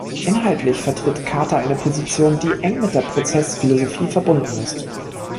Inhaltlich vertritt Kather eine Position, die eng mit der Prozessphilosophie verbunden ist.